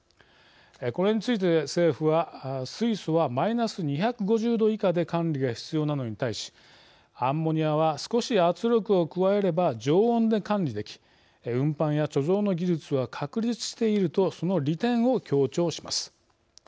これについて政府は水素はマイナス２５０度以下で管理が必要なのに対しアンモニアは少し圧力を加えれば常温で管理でき運搬や貯蔵の技術は確立しているとその利点を強調します。